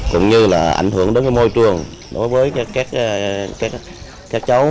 cũng như là ảnh hưởng đến môi trường đối với các cháu